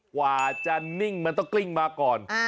กว่าจะนิ่งมันต้องกลิ้งมาก่อน